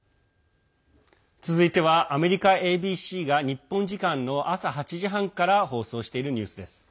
続いては、アメリカＡＢＣが日本時間の朝８時半から放送しているニュースです。